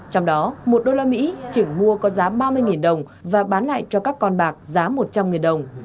trong đó một đô la mỹ trình mua có giá ba mươi đồng và bán lại cho các con bạc giá một trăm linh đồng